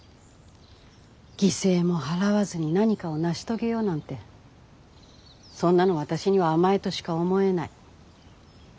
犠牲も払わずに何かを成し遂げようなんてそんなの私には甘えとしか思えない。